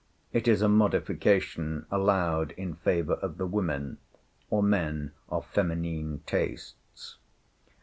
It is a modification allowed in favor of the women, or men of feminine tastes.